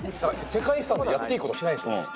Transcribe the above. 世界遺産でやっていいことしてないんですよ。